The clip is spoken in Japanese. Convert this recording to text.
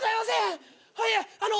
いやあの